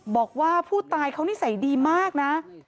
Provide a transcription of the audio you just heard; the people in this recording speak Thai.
บอกว่าผู้ตายเขานิสัยดีมากนะ